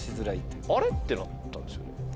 ってなったんですよね。